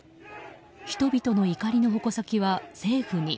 人々の怒りの矛先は政府に。